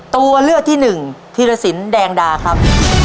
ตัวเลือกที่หนึ่งธีรสินแดงดาครับ